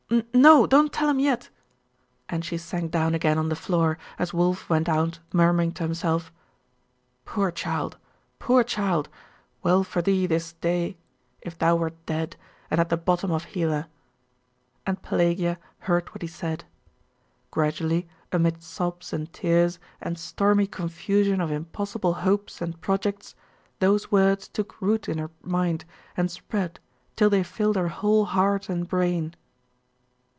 No, don't tell him yet....' And she sank down again on the floor, as Wulf went out murmuring to himself 'Poor child! poor child! well for thee this clay if thou wert dead, and at the bottom of Hela!' And Pelagia heard what he said. Gradually, amid sobs and tears, and stormy confusion of impossible hopes and projects, those words took root in her mind, and spread, till they filled her whole heart and brain.